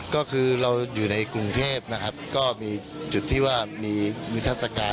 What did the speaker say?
ก็คือเราอยู่ในกรุงเทพนะครับก็มีจุดที่ว่ามีนิทัศกาล